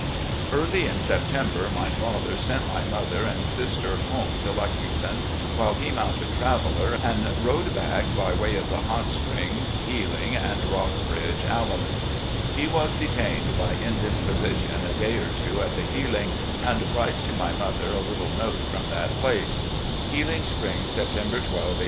Early in September my father sent my mother and sis ter home to Lexington, while he mounted Traveller and rode back by way of the Hot Springs, Healing, and Rock bridge Ahtm. He was detained by indisposition a day or MOUNTAIN RIDES 279 two at the Healing, and writes to my mother a little note from that place; "Healing Springs, September 12, 1867.